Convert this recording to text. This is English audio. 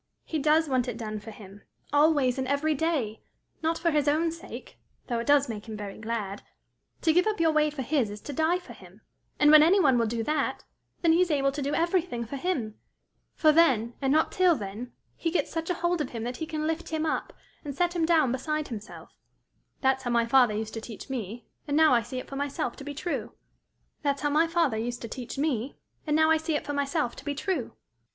"He does want it done for him always and every day not for his own sake, though it does make him very glad. To give up your way for his is to die for him; and, when any one will do that, then he is able to do everything for him; for then, and not till then, he gets such a hold of him that he can lift him up, and set him down beside himself. That's how my father used to teach me, and now I see it for myself to be true."